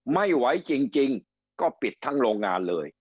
ไม่ไหวจริงก็ปิดทั้งโรงงานเลย